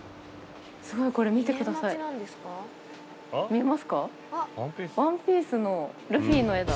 すごいこれ見てください見えますか？